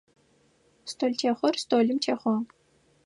Столтехъор столым техъуагъ.